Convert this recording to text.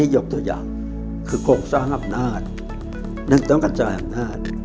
ยกตัวอย่างคือโครงสร้างอำนาจนั่นต้องกระจายอำนาจ